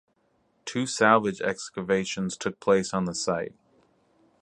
Two salvage excavations took place on the site.